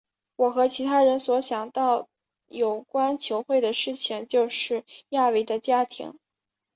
我和其他人所想到有关球会的事情就是亚维的家庭。